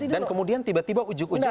dan kemudian tiba tiba ujuk ujuk